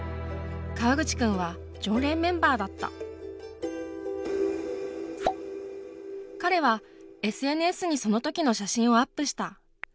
川口君は常連メンバーだった彼はＳＮＳにその時の写真をアップした。